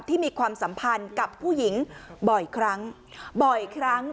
มีความสัมพันธ์กับผู้หญิงบ่อยครั้งบ่อยครั้ง